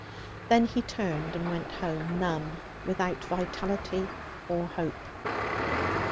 Then he turned and went home, numb, without vitality or hope.